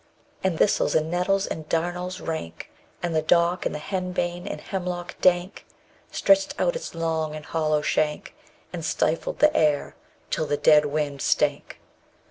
And thistles, and nettles, and darnels rank, And the dock, and henbane, and hemlock dank, _55 Stretched out its long and hollow shank, And stifled the air till the dead wind stank.